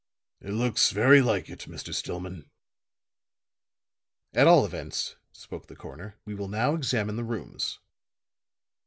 "It looks very like it, Mr. Stillman." "At all events," spoke the coroner, "we will now examine the rooms."